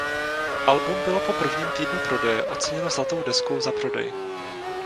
Album bylo po prvním týdnu prodeje oceněno zlatou deskou za prodej.